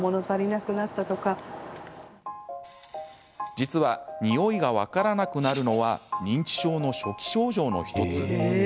実はにおいが分からなくなるのは認知症の初期症状の１つ。